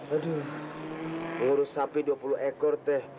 aduh ngurus sapi dua puluh ekor teh